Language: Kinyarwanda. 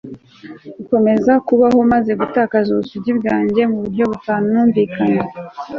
gukomeza kubaho maze gutakaza ubusugi bwanjye mu buryo butanumvikana